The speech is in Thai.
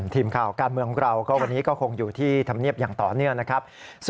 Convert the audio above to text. ทีมข่าวการเมืองของเราก็วันนี้ก็คงอยู่ที่ธรรมเนียบอย่างต่อเนื่องนะครับ